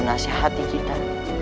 nasihat di kita